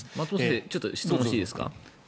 ちょっと質問していいですか？